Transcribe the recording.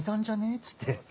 っつって。